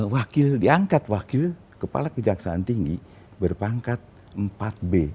wakil diangkat wakil kepala kejaksaan tinggi berpangkat empat b